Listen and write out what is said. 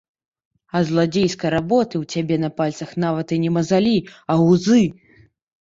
Ад зладзейскай работы ў цябе на пальцах нават і не мазалі, а гузы!